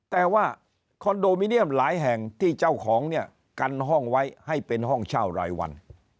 แต่ว่าคอนโดมิเนียมหลายแห่งที่เจ้าของเนี่ยกันห้องไว้ให้เป็นห้องเช่ารายวัน